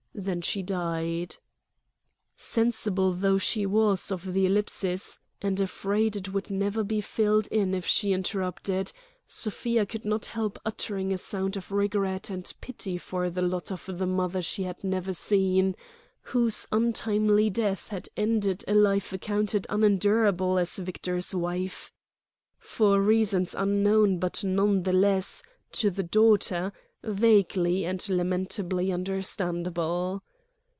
Then she died." Sensible though she was of the ellipsis, and afraid it would never be filled in if she interrupted, Sofia could not help uttering a sound of regret and pity for the lot of the mother she had never seen, whose untimely death had ended a life accounted unendurable as Victor's wife, for reasons unknown but none the less, to the daughter, vaguely and lamentably understandable.